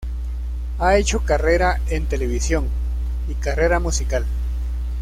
Ha hecho carrera en televisión, y carrera musical.